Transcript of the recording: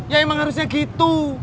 ya emang harusnya gitu